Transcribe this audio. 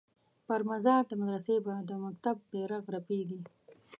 پر مزار د مدرسې به د مکتب بیرغ رپیږي